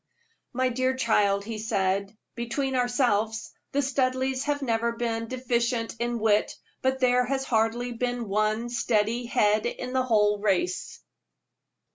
"My dear child," he said, "between ourselves, the Studleighs have never been deficient in wit, but there has hardly been one steady head in the whole race."